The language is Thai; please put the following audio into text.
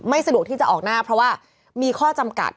สะดวกที่จะออกหน้าเพราะว่ามีข้อจำกัด